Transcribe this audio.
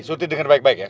surti dengar baik baik ya